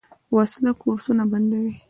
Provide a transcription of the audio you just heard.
وسله کورسونه بندوي